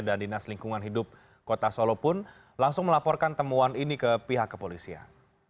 dan dinas lingkungan hidup kota solo pun langsung melaporkan temuan ini ke pihak kepolisian